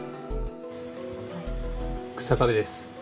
日下部です